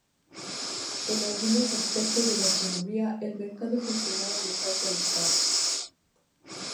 En algunos aspectos de la economía, el mercado gestionaba mejor que el Estado.